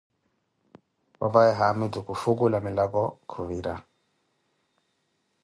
Papawe haamitu kufwukulah milako khuvira.